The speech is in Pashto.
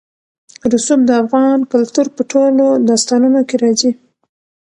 رسوب د افغان کلتور په ټولو داستانونو کې راځي.